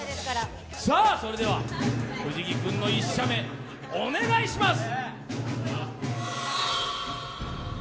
それでは藤木君の１射目、お願いします。